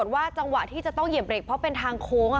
มันขึ้นหรือเปล่า